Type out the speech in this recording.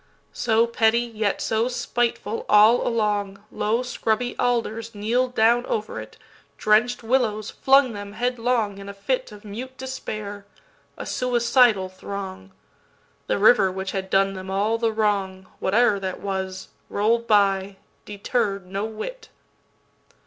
So petty yet so spiteful All along, Low scrubby alders kneel'd down over it; Drench'd willows flung them headlong in a fitOf mute despair, a suicidal throng:The river which had done them all the wrong, Whate'er that was, roll'd by, deterr'd no whit.